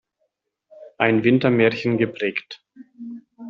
Ein Wintermärchen“ geprägt.